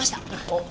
おっ。